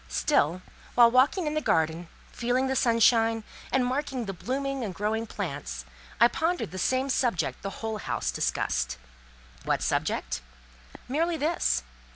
Still, while walking in the garden, feeling the sunshine, and marking the blooming and growing plants, I pondered the same subject the whole house discussed. What subject? Merely this.